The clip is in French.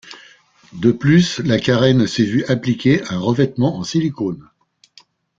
De plus, la carène s'est vue appliquer un revêtement en silicone.